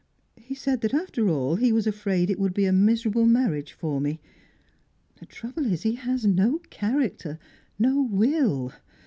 He said that after all he was afraid it would be a miserable marriage for me. The trouble is, he has no character, no will.